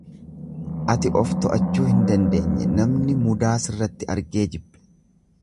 Ati of to'achuu hin dandeenye namni mudaa sirratti argee jibbe.